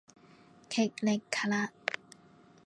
虢礫緙嘞